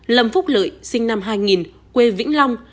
lâm phúc lợi sinh năm hai nghìn quê vĩnh long